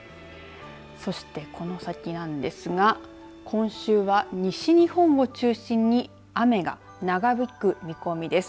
そして、この先なんですが今週は、西日本を中心に雨が長引く見込みです。